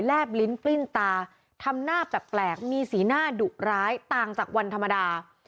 บลิ้นปลิ้นตาทำหน้าแปลกมีสีหน้าดุร้ายต่างจากวันธรรมดา